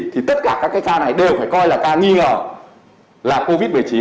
thì tất cả các cái ca này đều phải coi là ca nghi ngờ là covid một mươi chín